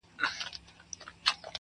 يو ليك,